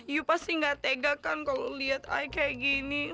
you pasti gak tega kan kalau liat ayah kayak gini